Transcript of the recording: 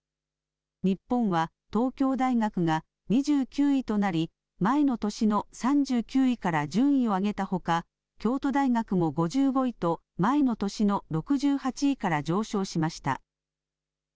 日本は東京大学が２９位となり前の年の３９位から順位を上げたほか、京都大学も５５位と前の年の６８位から上昇しました。